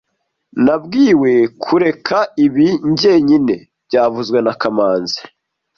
Nabwiwe kureka ibi jyenyine byavuzwe na kamanzi